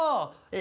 ・え！